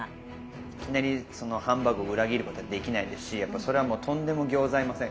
いきなりハンバーグを裏切ることはできないですしやっぱそれはもうとんでもギョーザいません。